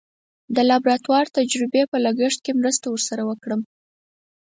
د لابراتواري تجزیې په لګښت کې مرسته ور سره وکړم.